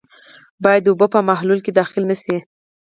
باید اوبه په محلول کې داخلې نه شي.